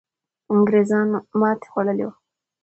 انګریزان ماتې خوړلې وو.